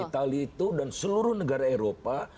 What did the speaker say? itali itu dan seluruh negara eropa